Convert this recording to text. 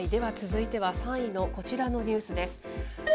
では続いては、３位のこちらのニュースです。